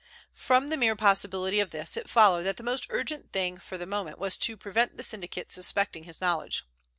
From the mere possibility of this it followed that the most urgent thing for the moment was to prevent the syndicate suspecting his knowledge.